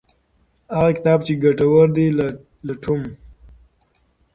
هغه کتاب چې ګټور دی لټوم.